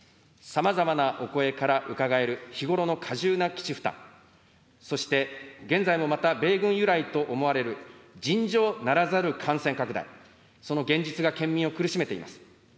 さまざまなお声からうかがえる日頃の過重な基地負担、そして現在もまた米軍由来と思われる尋常ならざる感染拡大、その現実が県民を苦しめています。